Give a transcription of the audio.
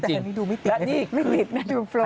แต่อันนี้ดูไม่ติดแล้วไม่ติดแหละ